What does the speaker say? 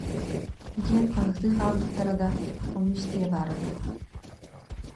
диэн хаһыытыы хаалбыттара да, ону истиэ баара дуо